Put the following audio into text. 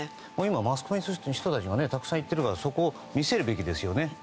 今、マスコミの人たちがたくさん行ってるからそこを見せるべきですよね。